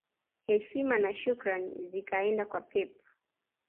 Heshima na shukrani zikaenda kwa Pep